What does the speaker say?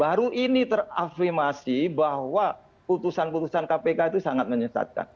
baru ini terafimasi bahwa putusan putusan kpk itu sangat menyesatkan